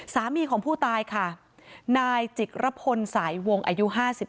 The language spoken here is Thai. สามีของผู้ตายค่ะนายจิกระพลสายวงอายุ๕๓